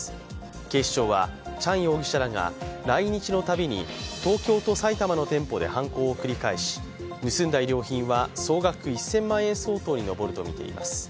警視庁はチャン容疑者らが来日のたびに東京と埼玉の店舗で反攻を繰り返し、盗んだ衣料品は総額１０００万円相当に上るとみられています。